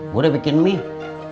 gue udah bikin mie